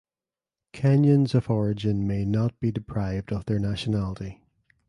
Kenyans of origin may not be deprived of their nationality.